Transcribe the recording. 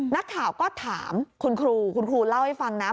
นักข่าวก็ถามคุณครูคุณครูเล่าให้ฟังนะ